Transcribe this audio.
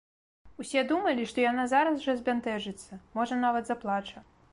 Усе думалі, што яна зараз жа збянтэжыцца, можа, нават заплача.